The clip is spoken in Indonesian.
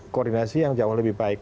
koordinasi yang jauh lebih baik